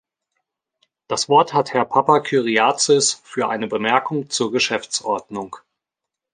Das Wort hat Herr Papakyriazis für eine Bemerkung zur Geschäftsordnung.